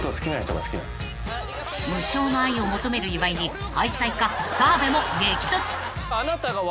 ［無償の愛を求める岩井に愛妻家澤部も激突］